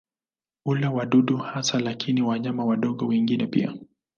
Hula wadudu hasa lakini wanyama wadogo wengine pia.